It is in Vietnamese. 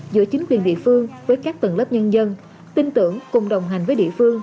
giữa chính quyền địa phương với các tầng lớp nhân dân tin tưởng cùng đồng hành với địa phương